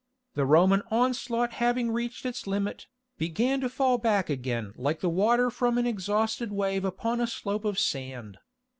The Roman onslaught having reached its limit, began to fall back again like the water from an exhausted wave upon a slope of sand.